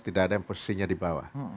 tidak ada yang posisinya di bawah